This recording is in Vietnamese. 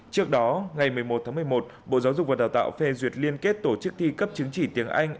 trước đó ngày một mươi một tháng một mươi một bộ giáo dục và đào tạo phê duyệt liên kết tổ chức thi cấp chứng chỉ tiếng anh